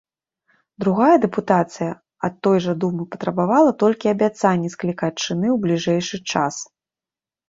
Другая дэпутацыя ад той жа думы патрабавала толькі абяцанні склікаць чыны ў бліжэйшы час.